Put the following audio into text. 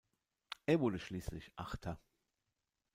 Er wurde schließlich Achter.